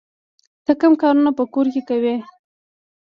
ته کوم کارونه په کور کې کوې؟